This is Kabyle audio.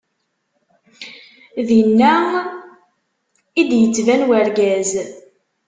Dinna i d-yettban urgaz.